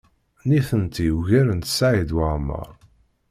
Nitenti ugarent Saɛid Waɛmaṛ.